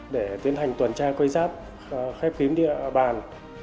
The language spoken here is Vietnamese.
để tiến hành tuần tra quê giáp khép kiếm địa bàn